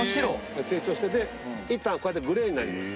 成長していったんこうやってグレーになります